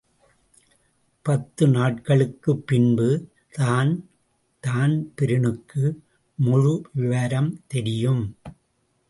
பத்து நாட்களுக்குப் பின்பு தான்தான்பிரீனுக்கு முழுவிவரம் தெரியும்.